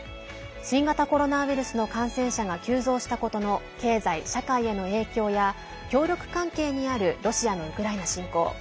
新型コロナウイルスの感染者が急増したことの経済、社会への影響や協力関係にあるロシアのウクライナ侵攻。